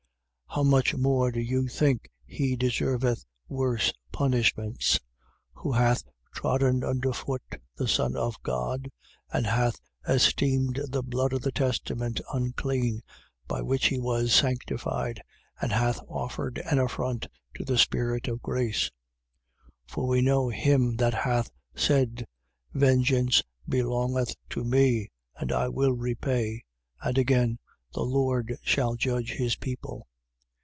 How much more, do you think he deserveth worse punishments, who hath trodden under foot the Son of God and hath esteemed the blood of the testament unclean, by which he was sanctified, and hath offered an affront to the Spirit of grace? 10:30. For we know him that hath said: Vengeance belongeth to me, and I will repay. And again: The Lord shall judge his people.